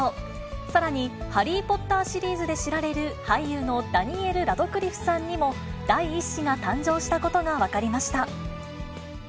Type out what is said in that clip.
さらに、ハリー・ポッターシリーズで知られる俳優のダニエル・ラドクリフさんにも、第１子が誕生したことが分かりました。